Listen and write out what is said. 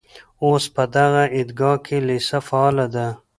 اوس په دغه عیدګاه کې لېسه فعاله ده.